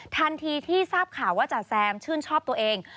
ทันทีที่ทราบข่าวว่าจ๋าแซมชื่นชอบตัวเอง